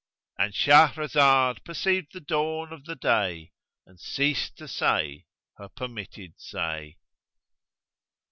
—And Shahrazad perceived the dawn of day and ceased to say her permitted say.